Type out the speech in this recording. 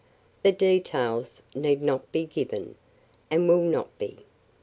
The details need not be given, and will not be.